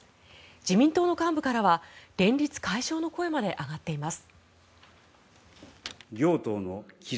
自民党の幹部からは連立解消の声まで上がっています。